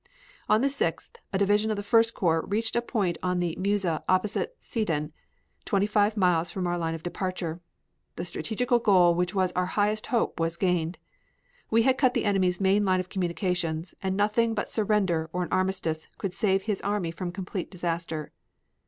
On the 6th, a division of the First Corps reached a point on the Meuse opposite Sedan, twenty five miles from our line of departure. The strategical goal which was our highest hope was gained. We had cut the enemy's main line of communications, and nothing but surrender or an armistice could save his army from complete disaster.